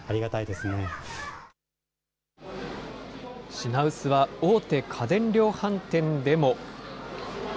品薄は大手家電量販店でも。